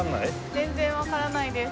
全然わからないです。